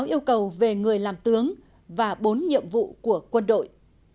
sáu yêu cầu về người làm tướng và bốn nhiệm vụ của quân đội